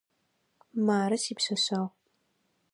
Мары сипшъэшъэгъу.